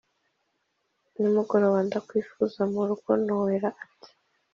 nimugoroba ndakwifuza murugo" noella ati"